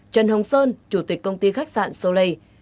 trần hồng sơn chủ tịch công ty khách sạn soleil